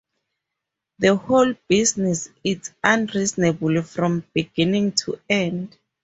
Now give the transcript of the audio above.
The whole business — it's unreasonable from beginning to end.